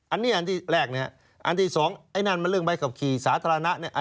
อันนี้อันที่แรกเนี่ยอันที่สองไอ้นั่นมันเรื่องใบขับขี่สาธารณะเนี่ย